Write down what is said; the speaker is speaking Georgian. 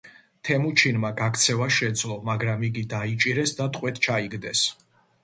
თემუჩინმა გაქცევა შეძლო, მაგრამ იგი დაიჭირეს და ტყვედ ჩაიგდეს.